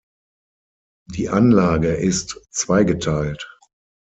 Die Anlage ist zweigeteilt.